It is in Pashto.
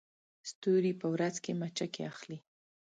ستوري په ورځ کې مچکې اخلي